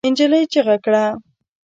نجلۍ چيغه کړه.